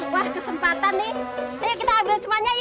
wah kesempatan nih ayo kita ambil semuanya ya